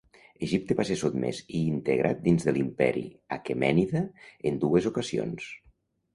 Egipte va ser sotmès i integrat dins de l'imperi aquemènida en dues ocasions.